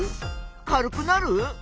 軽くなる？